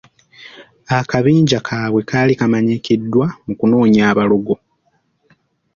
Akabinja kaabwe kaali kamanyikiddwa mu kunoonya abalogo.